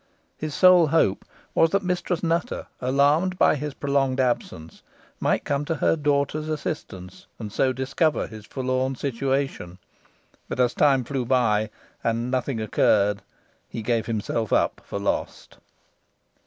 His sole hope was that Mistress Nutter, alarmed by his prolonged absence, might come to her daughter's assistance, and so discover his forlorn situation; but as time flew by, and nothing occurred, he gave himself up for lost.